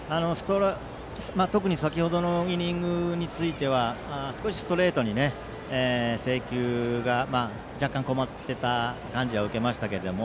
特に先程のイニングについては少しストレートの制球に若干困っていた感じは受けましたが。